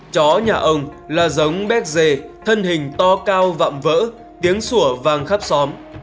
chó nhà ông là giống béc dê thân hình to cao vạm vỡ tiếng sủa vang khắp xóm